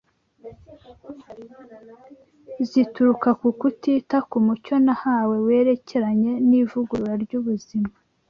zituruka ku kutita ku mucyo nahawe werekeranye n’ivugurura ry’ubuzima